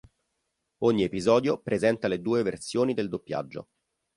Ogni episodio presenta le due versioni del doppiaggio.